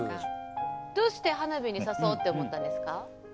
どうして花火に誘おうって思ったんですか？